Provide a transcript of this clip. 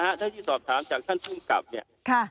ผมต้องสอบถามจากท่านธุรกรรมเนี่ย